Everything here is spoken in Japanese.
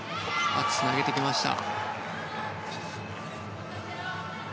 つなげてきました。